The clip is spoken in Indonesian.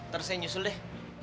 terus saya nyusul deh